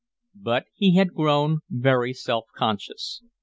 But he had grown very self conscious.